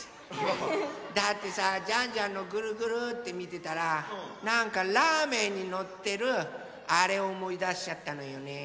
だってさジャンジャンのぐるぐるってみてたらなんかラーメンにのってるあれおもいだしちゃったのよね。